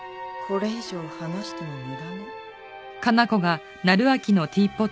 これ以上話しても無駄ね。